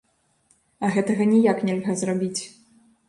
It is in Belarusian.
А гэтага ніяк нельга зрабіць.